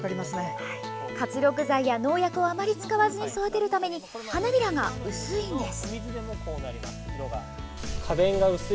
活力剤や農薬をあまり使わずに育てるために花びらが薄いんです。